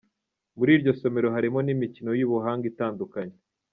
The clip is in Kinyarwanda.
Muri iryo somero harimo n’imikino y’ubuhanga itandukanye.